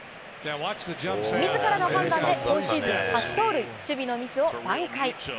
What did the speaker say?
みずからの判断で今シーズン初盗塁、守備のミスを挽回。